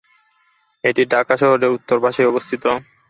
এটি ঢাকা শহরের উত্তর পাশেই অবস্থিত।